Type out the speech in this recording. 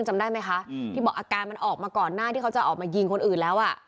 อาการมันออกมาก่อนหน้าที่เขาจะออกมายิงคนอื่นแล้วอ่ะ